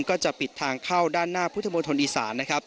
ก็จะปิดทางเข้าด้านหน้าพุทธโมทนอีสาน